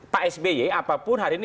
pak sby apapun hari ini